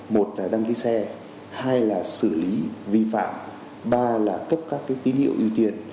một là đăng ký xe hai là xử lý vi phạm ba là cấp các tín hiệu ưu tiên